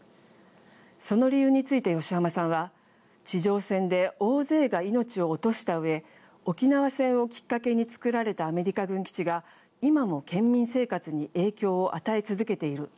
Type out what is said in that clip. その理由について吉浜さんは「地上戦で大勢が命を落としたうえ沖縄戦をきっかけに造られたアメリカ軍基地が今も県民生活に影響を与え続けている。